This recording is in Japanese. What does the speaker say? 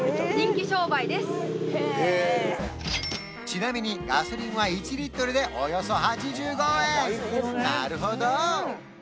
ちなみにガソリンは１リットルでおよそ８５円なるほど！